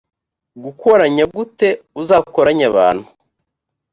gukoranya gut uzakoranye abantu